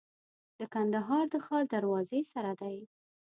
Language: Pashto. د کندهار د ښار دروازې سره دی.